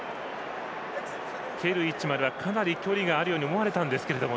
蹴る位置までは、かなり距離があると思われたんですけど。